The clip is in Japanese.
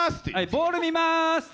ボール見ますって。